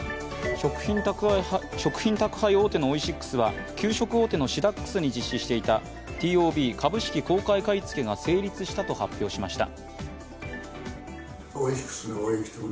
食品宅配大手のオイシックスは給食大手のシダックスに実施していたＴＯＢ＝株式公開買い付けが成立したと発表しました。